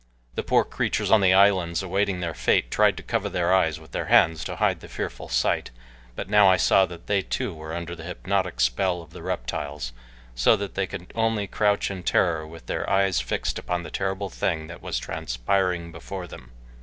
The poor creatures on the islands awaiting their fate tried to cover their eyes with their hands to hide the fearful sight, but now I saw that they too were under the hypnotic spell of the reptiles, so that they could only crouch in terror with their eyes fixed upon the terrible thing that was transpiring before them.